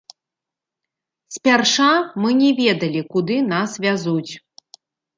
Спярша мы не ведалі куды нас вязуць.